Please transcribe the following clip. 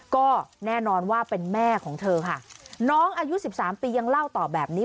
ก็แน่นอนว่าเป็นแม่ของเธอค่ะน้องอายุสิบสามปียังเล่าต่อแบบนี้